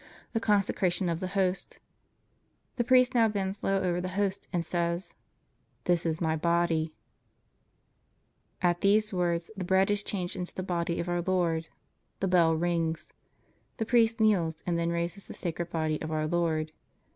THE CONSECRATION OF THE HOST The priest now bends low over the host and says: THIS IS MY BODY At these words, the bread is changed into the body of Our Lord. The bell rings. The priest kneels and then raises the Sacred Body of Our Lord.